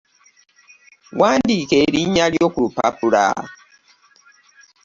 Wandiika erinnya lyo ku lupapula.